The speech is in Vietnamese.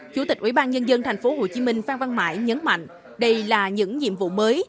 chủ tịch ủy ban nhân dân tp hcm phan văn mãi nhấn mạnh đây là những nhiệm vụ mới